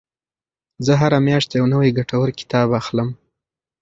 زه هره میاشت یو نوی ګټور کتاب اخلم.